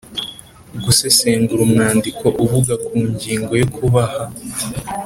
Gusesengura umwandiko uvuga ku ngingo yo kubaha